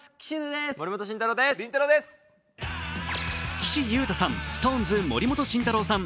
岸優太さん、ＳｉｘＴＯＮＥＳ・森本慎太郎さん